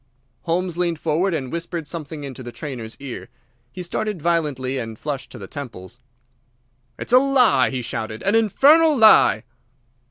Holmes leaned forward and whispered something in the trainer's ear. He started violently and flushed to the temples. "It's a lie!" he shouted, "an infernal lie!"